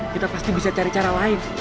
kita pasti bisa cari cara lain